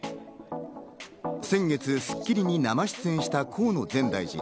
先月『スッキリ』に生出演した河野前大臣。